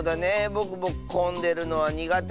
ぼくもこんでるのはにがて。